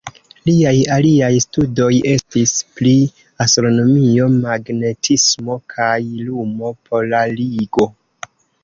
Liaj aliaj studoj estis pri astronomio, magnetismo kaj lumo-polarigo.